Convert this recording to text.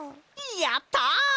やった！